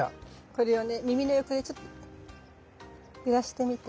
これをね耳の横でちょっと揺らしてみて。